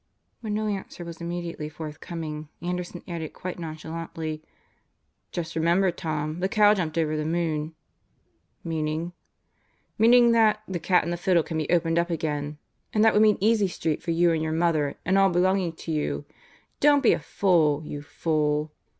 When no answer was immediately forthcoming, Anderson added quite nonchalantly, "Just remember, Tom, the cow jumped over tie moon." "Meaning?" "Meaning that The Cat and Fiddle' can be opened up again. Deeper Depths and Broader Horizons 127 And that would mean Easy Street for you and your mother and all belonging to you. Don't be a fool, you fool."